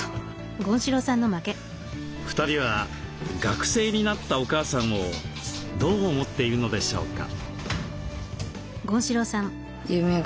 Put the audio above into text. ２人は「学生」になったお母さんをどう思っているのでしょうか？